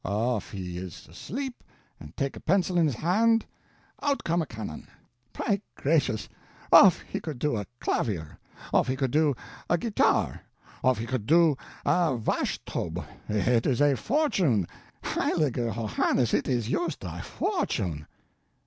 Of he is asleep, and take a pencil in his hand, out come a cannon. Py crashus, of he could do a clavier, of he could do a guitar, of he could do a vashtub, it is a fortune, heiliger Yohanniss it is yoost a fortune!"